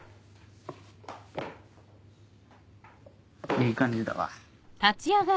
いい感じだわ。